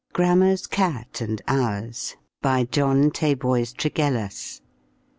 "GRAMMER'S CAT AND OURS." BY JOHN TABOIS TREGELLAS.